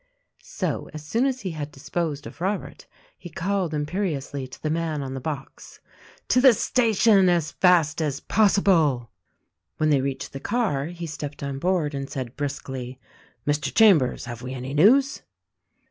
So, as soon as he had disposed of Robert, he called imperiously to the man on the box, 'To the station as fast as possible!" When they reached the car he stepped on board and said briskly, "Mr. Chambers, have we any news?"